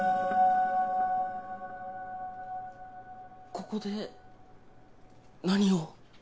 ここで何を？